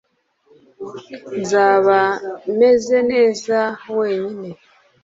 Nzaba meze neza wenyine